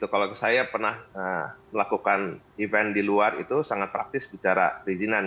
kalau saya pernah melakukan event di luar itu sangat praktis bicara perizinan